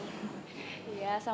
kan kita barang